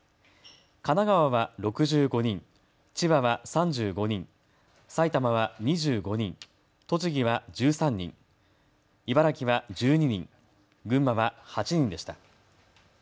神奈川は６５人、千葉は３５人、埼玉は２５人、栃木は１３人、茨城は１２人、群馬は８人でした。